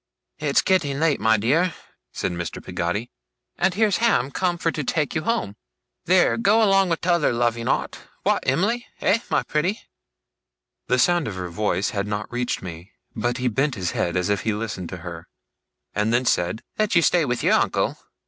'It's getting late, my dear,' said Mr. Peggotty, 'and here's Ham come fur to take you home. Theer! Go along with t'other loving art! What' Em'ly? Eh, my pretty?' The sound of her voice had not reached me, but he bent his head as if he listened to her, and then said: 'Let you stay with your uncle?